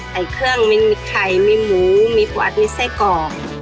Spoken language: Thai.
ไข่เครื่องมีไข่มีหมูมีปวดมีไส้กรอบ